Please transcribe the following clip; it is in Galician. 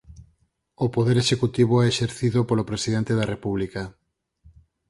O poder executivo é exercido polo Presidente da República